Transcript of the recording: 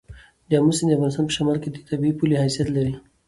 د آمو سیند د افغانستان په شمال کې د طبیعي پولې حیثیت لري.